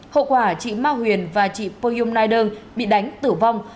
hậu quả chị mao huyền và chị poyum naidong bị đánh tử vong